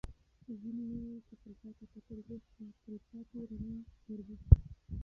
ځینې وویل چې فضا ته کتل روح ته تل پاتې رڼا وربښي.